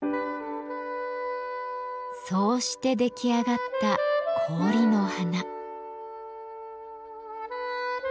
そうして出来上がった氷の花。